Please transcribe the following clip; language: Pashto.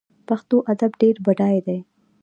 پښتو ادب ډیر بډای دی